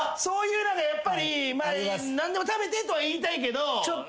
そういうやっぱり何でも食べてとは言いたいけど。